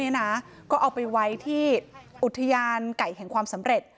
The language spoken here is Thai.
ก็เอาไปไว้ที่อุทยานไก่แห่งความสำเร็จ